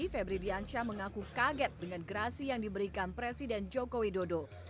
febri diansyah mengaku kaget dengan gerasi yang diberikan presiden joko widodo